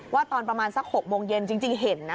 ตอนประมาณสัก๖โมงเย็นจริงเห็นนะ